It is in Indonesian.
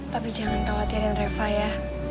tapi jangan khawatirin reva ya